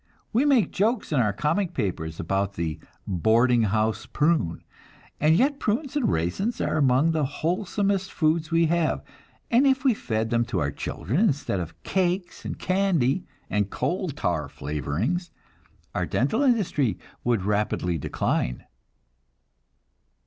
We make jokes in our comic papers about the "boarding house prune"; and yet prunes and raisins are among the wholesomest foods we have, and if we fed them to our children instead of cakes and candy and coal tar flavorings, our dental industry would rapidly decline.